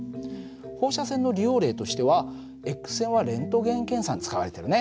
放射線の利用例としてはＸ線はレントゲン検査に使われてるね。